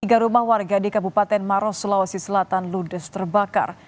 tiga rumah warga di kabupaten maros sulawesi selatan ludes terbakar